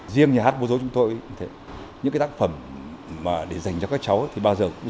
riêng nhà hát bố dối chúng tôi những tác phẩm để dành cho các cháu thì bao giờ cũng dễ dàng